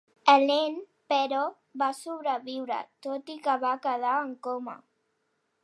El nen, però, va sobreviure, tot i que va quedar en coma.